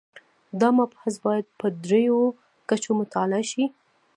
دا مبحث باید په درېیو کچو مطالعه شي.